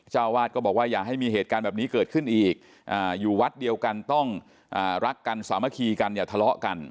เจ้าวาดก็บอกว่าอย่าให้มีเหตุการณ์แบบนี้เกิดขึ้นอีกอยู่วัดเดียวกันต้องรักกันสามัคคีกันอย่าทะเลาะกัน